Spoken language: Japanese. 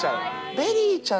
ベリーちゃん？